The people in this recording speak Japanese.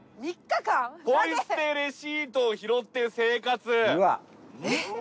ポイ捨てレシートを拾って生活。